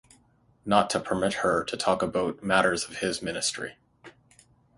Not to permit her to talk about matters of his ministry.